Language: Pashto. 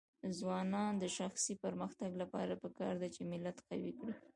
د ځوانانو د شخصي پرمختګ لپاره پکار ده چې ملت قوي کړي.